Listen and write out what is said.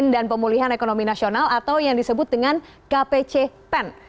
dan pemulihan ekonomi nasional atau yang disebut dengan kpc pen